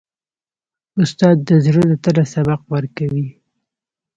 استاد د زړه له تله سبق ورکوي.